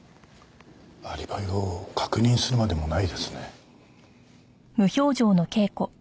アリバイを確認するまでもないですね。